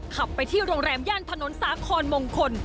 ขับไปที่โรงแรมย่านถนนสาครมงคล